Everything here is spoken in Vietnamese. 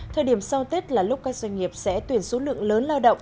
thời điểm sau tết là lúc các doanh nghiệp sẽ tuyển số lượng lớn lao động